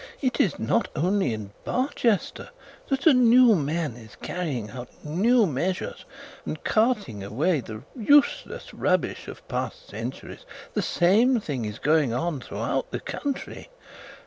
It is not only in Barchester that a new man is carrying out new measures and casting away the useless rubbish of past centuries. The same thing is going on throughout the country.